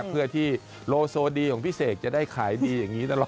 เพื่อที่โลโซดีของพี่เสกจะได้ขายดีอย่างนี้ตลอด